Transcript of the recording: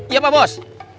iya pak bos